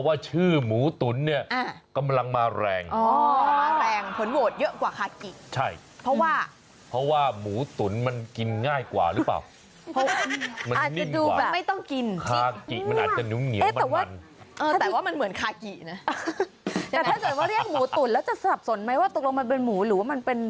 แล้วถ้ามันเป็นคากี้ตรงรวมไปเป็นหมูเลย